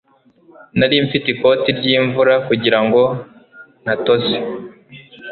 nari mfite ikoti ryimvura kugirango ntatose